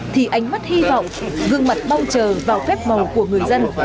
thì ánh mắt hy vọng gương mặt bao trờ vào phép màu của người dân